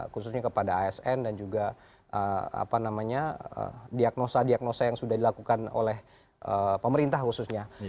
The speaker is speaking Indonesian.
khususnya kepada asn dan juga diagnosa diagnosa yang sudah dilakukan oleh pemerintah khususnya